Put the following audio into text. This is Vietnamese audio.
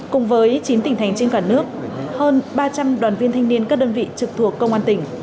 cùng với chín tỉnh thành trên cả nước hơn ba trăm linh đoàn viên thanh niên các đơn vị trực thuộc công an tỉnh